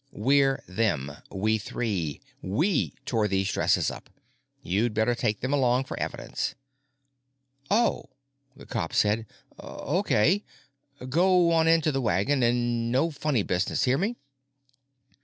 "We're them. We three. We tore these dresses up. You'd better take them along for evidence." "Oh," the cop said. "Okay. Go on into the wagon. And no funny business, hear me?"